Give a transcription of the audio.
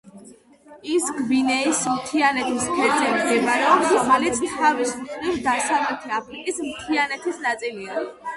ის გვინეის მთიანეთის ქედზე მდებარეობს, რომელიც თავის მხრივ დასავლეთი აფრიკის მთიანეთის ნაწილია.